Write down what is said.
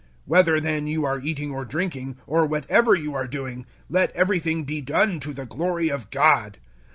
010:031 Whether, then, you are eating or drinking, or whatever you are doing, let everything be done to the glory of God.